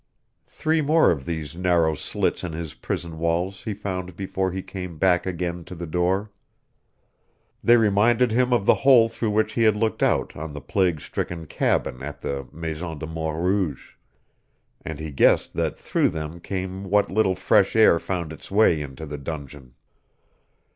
Three more of these narrow slits in his prison walls he found before he came back again to the door. They reminded him of the hole through which he had looked out on the plague stricken cabin at the Maison de Mort Rouge, and he guessed that through them came what little fresh air found its way into the dungeon.